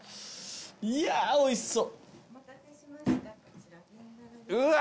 いやーおいしそう。